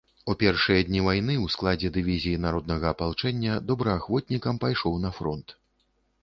У першыя дні вайны ў складзе дывізіі народнага апалчэння добраахвотнікам пайшоў на фронт.